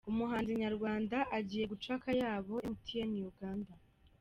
Umuhanzi nyarwanda agiye guca akayabo emutiyeni uganda